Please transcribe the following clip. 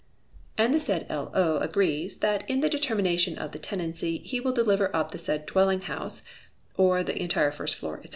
And the said L.O. agrees, that in the determination of the tenancy, he will deliver up the said dwelling house (or the entire first floor, &c.)